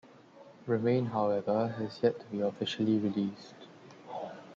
"Remain", however, has yet to be officially released.